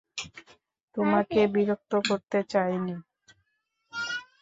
তোমাকে বিরক্ত করতে চাই নি।